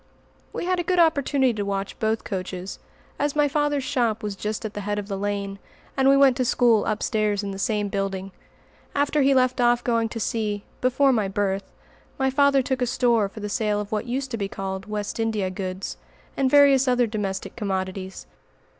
We had a good opportunity to watch both coaches, as my father's shop was just at the head of the lane, and we went to school upstairs in the same building. After he left off going to sea, before my birth, my father took a store for the sale of what used to be called "West India goods," and various other domestic commodities.